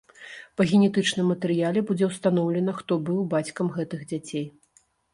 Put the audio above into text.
Па генетычным матэрыяле будзе ўстаноўлена, хто быў бацькам гэтых дзяцей.